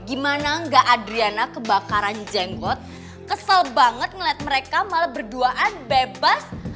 gimana enggak adriana kebakaran jenggot kesel banget ngeliat mereka malah berduaan bebas